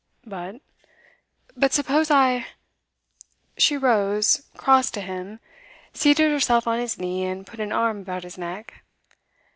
'But suppose I ' She rose, crossed to him, seated herself on his knee and put an arm about his neck.